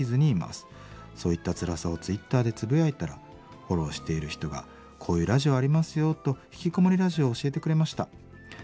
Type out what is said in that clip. そういったつらさをツイッターでつぶやいたらフォローしている人がこういうラジオありますよと『ひきこもりラジオ』を教えてくれました。